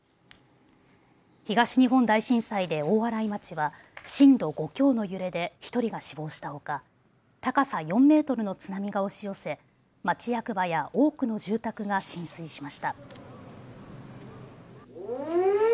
東日本大震災で大洗町は震度５強の揺れで１人が死亡したほか高さ４メートルの津波が押し寄せ町役場や多くの住宅が浸水しました。